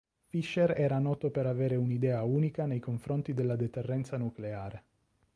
Fisher era noto per avere un'idea unica nei confronti della deterrenza nucleare.